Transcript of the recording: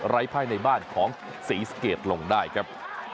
ภายในบ้านของศรีสะเกดลงได้ครับ